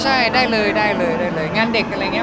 ใช่ได้เลยงานเด็กอะไรอย่างเงี้ย